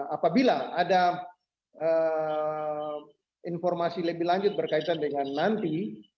apabila ada informasi lebih lanjut berkaitan dengan nanti